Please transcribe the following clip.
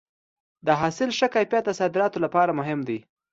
د حاصل ښه کیفیت د صادراتو لپاره مهم دی.